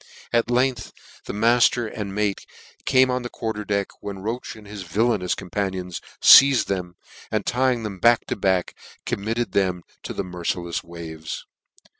At k. gth the mite' and mate came on the quarter deck, when Roche and his villainous companions feized them, and ty; ng them ack to back, committed them to the mer cikfs waves.